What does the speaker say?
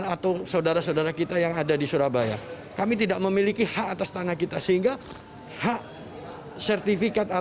atau saudara saudara kita yang ada di surabaya kami tidak memiliki hak atas tanah kita sehingga hak sertifikat